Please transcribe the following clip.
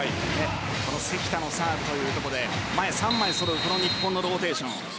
この関田のサーブというところで前３枚揃う日本のローテーション。